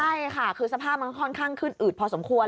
ใช่ค่ะคือสภาพมันค่อนข้างขึ้นอืดพอสมควร